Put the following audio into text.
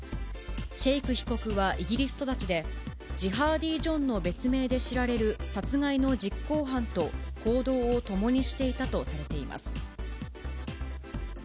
シェイク被告はイギリス育ちで、ジハーディ・ジョンの別名で知られる殺害の実行犯と行動を共にしていたとされています。